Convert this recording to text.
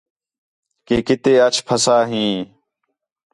کہ کِتے اَچ پَھسا ہیں